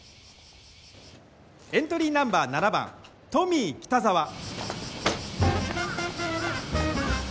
エントリーナンバー７番トミー北沢。